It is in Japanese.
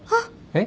えっ？